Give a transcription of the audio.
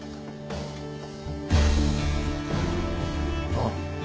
あっ。